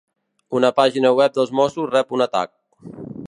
Una pàgina web dels mossos rep un atac